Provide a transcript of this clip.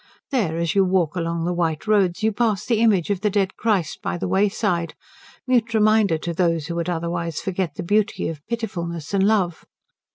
There as you walk along the white roads, you pass the image of the dead Christ by the wayside; mute reminder to those who would otherwise forget of the beauty of pitifulness and love.